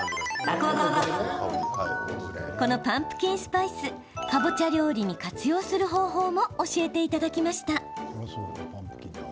このパンプキンスパイスかぼちゃ料理に活用する方法も教えていただきました。